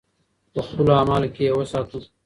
په خپلو اعمالو کې یې وساتو.